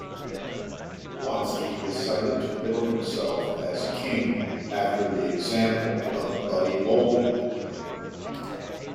Watzke decided to bill himself as "King" after the example of Buddy Bolden.